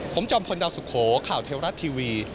ผมจอมพลดาวสุโขข่าวเทวรัฐทีวี